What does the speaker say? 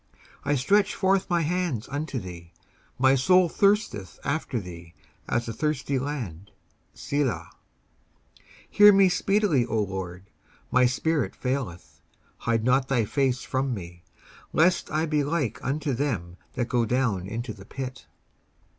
19:143:006 I stretch forth my hands unto thee: my soul thirsteth after thee, as a thirsty land. Selah. 19:143:007 Hear me speedily, O LORD: my spirit faileth: hide not thy face from me, lest I be like unto them that go down into the pit.